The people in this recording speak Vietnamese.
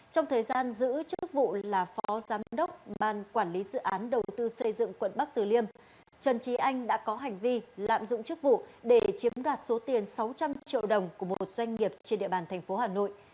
trong thời gian giữ chức vụ là phó giám đốc ban quản lý dự án đầu tư xây dựng quận bắc tử liêm trần trí anh đã có hành vi lạm dụng chức vụ để chiếm đoạt số tiền sáu trăm linh triệu đồng của một doanh nghiệp trên địa bàn tp hà nội